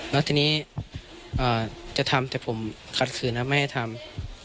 แล้วทีนี้จะทำแต่ผมขัดขืนนะไม่ให้ทำ